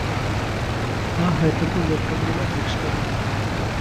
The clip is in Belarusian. А гэта было праблематычна.